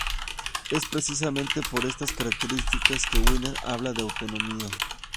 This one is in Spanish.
Es precisamente por estas características que Winner habla de autonomía.